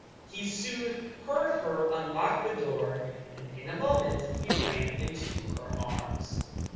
He soon heard her unlock the door, and in a moment he ran into her arms.